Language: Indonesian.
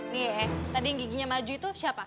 nih tadi yang giginya maju itu siapa